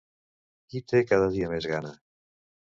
Qui té cada dia més gana?